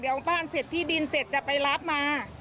เดี๋ยวบ้านเสร็จที่ดินเสร็จจะไปรับมา